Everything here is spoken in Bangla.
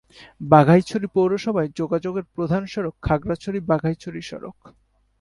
বাঘাইছড়ি পৌরসভায় যোগাযোগের প্রধান সড়ক খাগড়াছড়ি-বাঘাইছড়ি সড়ক।